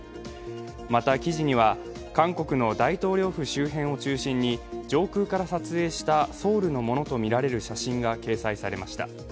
また記事には韓国の大統領府周辺を中心に上空から撮影したソウルのものとみられる写真が掲載されました。